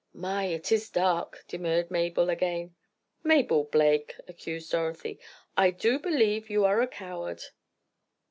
"My, it is dark!" demurred Mabel, again. "Mabel Blake!" accused Dorothy. "I do believe you are a coward!"